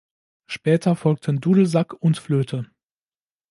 Später folgten Dudelsack und Flöte.